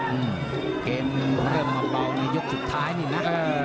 อืมเกมเริ่มมาเบาในยกสุดท้ายนี่นะเออ